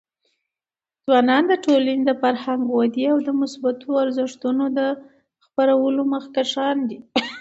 ځوانان د ټولنې د فرهنګي ودي او د مثبتو ارزښتونو د خپرولو مخکښان دي.